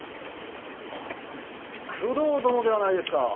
あっ工藤殿ではないですか。